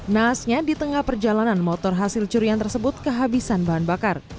naasnya di tengah perjalanan motor hasil curian tersebut kehabisan bahan bakar